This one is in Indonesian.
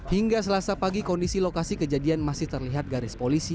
hingga selasa pagi kondisi lokasi kejadian masih terlihat garis polisi